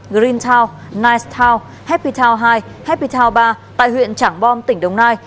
green town nice town happy town hai happy town ba tại huyện trảng bom tỉnh đồng nai